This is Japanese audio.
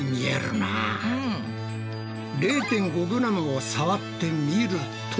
０．５ｇを触ってみると。